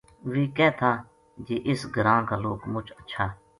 ویہ کہہ تھا جے اس گراں کا لوک مچ ہچھا